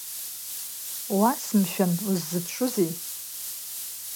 Уас, мшәан, уззыԥшузеи?